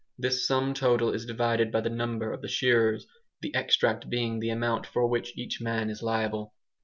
This sum total is divided by the number of the shearers, the extract being the amount for which each man is liable.